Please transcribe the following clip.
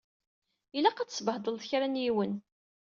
Ilaq ad tsebhedleḍ kra n yiwet.